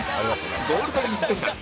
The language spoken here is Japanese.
ゴールデンスペシャル